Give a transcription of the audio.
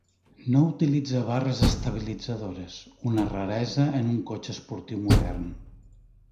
No utilitza barres estabilitzadores, una raresa en un cotxe esportiu modern.